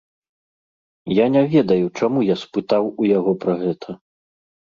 Я не ведаю, чаму я спытаў у яго пра гэта.